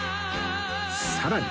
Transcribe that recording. さらに！